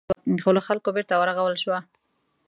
د قیصر روم له خوا وسوه خو له خلکو بېرته ورغول شوه.